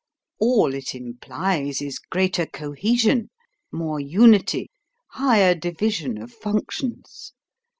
All it implies is greater cohesion, more unity, higher division of functions.